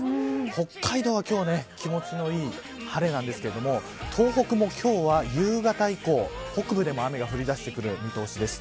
北海道は今日は気持ちのいい晴れなんですけど東北も今日は夕方以降北部でも雨が降りだしてくる見通しです。